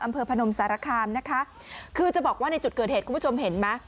พนมสารคามนะคะคือจะบอกว่าในจุดเกิดเหตุคุณผู้ชมเห็นไหม